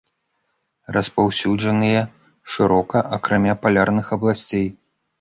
Распаўсюджаныя шырока, акрамя палярных абласцей.